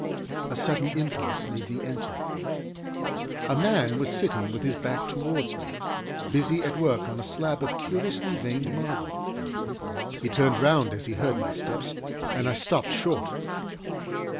A sudden impulse made me enter. A man was sitting with his back towards me, busy at work on a slab of curiously veined marble. He turned round as he heard my steps and I stopped short.